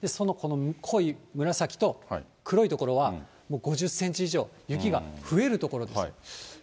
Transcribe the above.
この濃い紫と、黒い所はもう５０センチ以上、雪が増える所です。